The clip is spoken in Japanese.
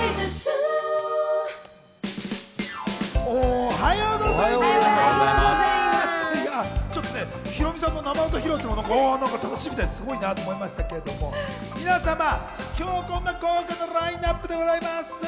おはようございます！